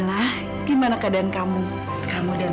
akhirnya kamu berdua